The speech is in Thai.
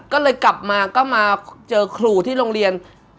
ก็เลยกลับมาก็มาเจอครูที่โรงเรียน